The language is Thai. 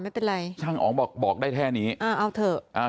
ไม่เป็นไรช่างอ๋องบอกบอกได้แค่นี้อ่าเอาเถอะอ่า